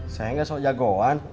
saya gak sok jagoan